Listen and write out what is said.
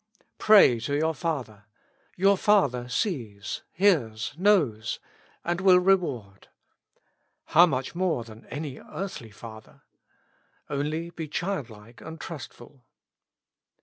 Pray to your Father, your Father sees, hears, knows, and will reward : how much more than any earthly father 1 Only be childlike and trustful.